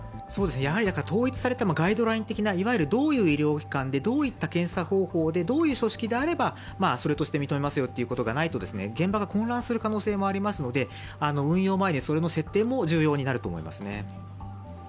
統一されたガイドライン的な、どういう医療機関でどういった検査方法でどういう組織であればそれとして認めますよということがないと現場が混乱する可能性もありますので、運用前にそれの設定も重要になると思います。